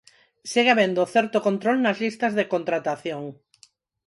Segue habendo certo control nas listas de contratación.